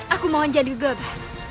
aku mohon jangan digebar